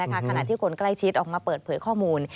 ขณะที่คนใกล้ชิดออกมาเปิดเผยข้อมูล